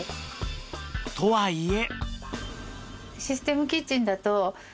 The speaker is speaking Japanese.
とはいえ